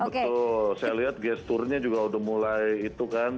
betul saya lihat gesturnya juga udah mulai itu kan